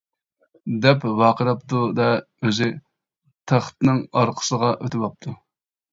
-دەپ ۋارقىراپتۇ-دە، ئۆزى تەختنىڭ ئارقىسىغا ئۆتۈۋاپتۇ.